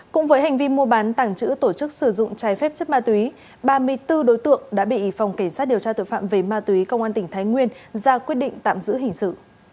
cũng với hành vi mua bán tàng trữ tổ chức sử dụng trái phép chất ma túy ba mươi bốn đối tượng đã bị phòng cảnh sát điều tra tội phạm về ma túy công an tỉnh thái nguyên ra quyết định tạm giữ hình sự